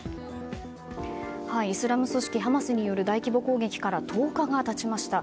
イスラム組織ハマスによる大規模攻撃から１０日が経ちました。